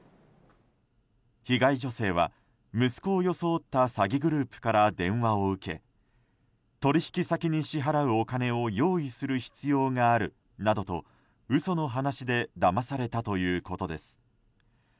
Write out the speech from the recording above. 被害女性は、息子を装った詐欺グループから電話を受け取引先に支払うお金を用意する必要があるなどと嘘の話でだまされたということです。